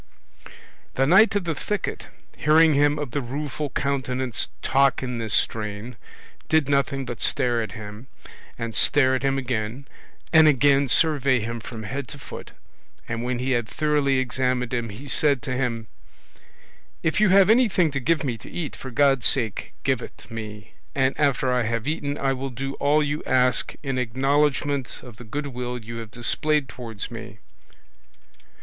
The Knight of the Thicket, hearing him of the Rueful Countenance talk in this strain, did nothing but stare at him, and stare at him again, and again survey him from head to foot; and when he had thoroughly examined him, he said to him: "If you have anything to give me to eat, for God's sake give it me, and after I have eaten I will do all you ask in acknowledgment of the goodwill you have displayed towards me."